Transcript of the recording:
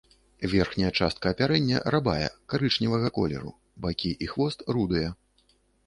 Верхняя частка апярэння рабая, карычневага колеру, бакі і хвост рудыя.